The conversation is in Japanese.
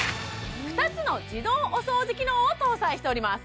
２つの自動お掃除機能を搭載しております